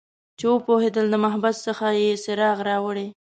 چې وپوهیدل د محبس څخه یې څراغ راوړي